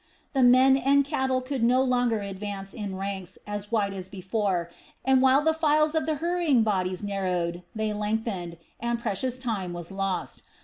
The men and cattle could no longer advance in ranks as wide as before, and while the files of the hurrying bodies narrowed they lengthened, and precious time was lost.